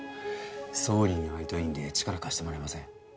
総理に会いたいんで力貸してもらえません？